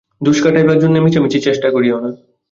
দোষ কাটাইবার জন্য মিছামিছি চেষ্টা করিয়ো না।